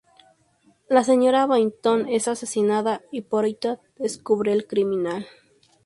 La señora Boynton es asesinada y Poirot descubre al criminal.